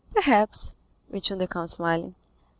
"Perhaps," returned the count, smiling.